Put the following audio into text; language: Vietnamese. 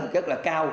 rất là cao